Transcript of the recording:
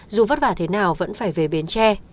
dù vất vả thế nào vẫn phải về bến tre